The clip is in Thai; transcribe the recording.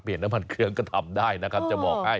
น้ำมันเครื่องก็ทำได้นะครับจะบอกให้